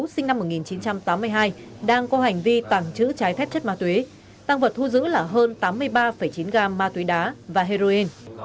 sinh năm một nghìn chín trăm tám mươi hai đang có hành vi tàng trữ trái phép chất ma túy tăng vật thu giữ là hơn tám mươi ba chín gam ma túy đá và heroin